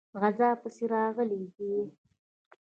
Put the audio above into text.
غزا پسې راغلی دی.